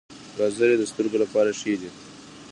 ګازرې د سترګو لپاره ښې دي